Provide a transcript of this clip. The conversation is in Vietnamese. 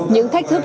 những thách thức